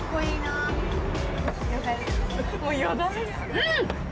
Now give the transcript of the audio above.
うん！